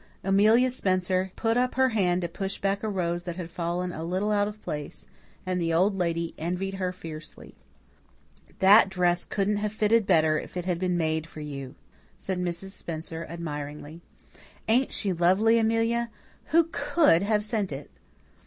Amelia Spencer put up her hand to push back a rose that had fallen a little out of place, and the Old Lady envied her fiercely. "That dress couldn't have fitted better if it had been made for you," said Mrs. Spencer admiringly. "Ain't she lovely, Amelia? Who COULD have sent it?"